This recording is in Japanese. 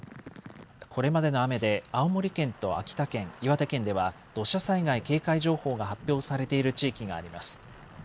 これまでの雨で青森県と秋田県、岩手県では土砂災害警戒情報が発表されている地域があります。